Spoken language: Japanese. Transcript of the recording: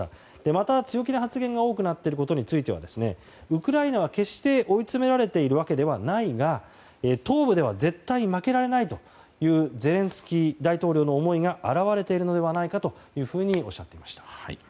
また、強気な発言が多くなっていることについてはウクライナは決して追い詰められているわけではないが東部では絶対に負けられないというゼレンスキー大統領の思いが表れているのではないかとおっしゃっていました。